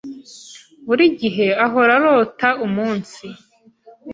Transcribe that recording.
Buri gihe ahora arota umunsi.